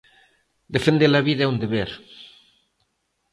Defender a vida é un deber.